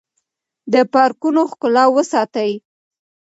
د پارکونو ښکلا وساتئ.